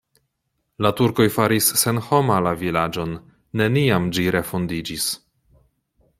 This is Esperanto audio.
La turkoj faris senhoma la vilaĝon, neniam ĝi refondiĝis.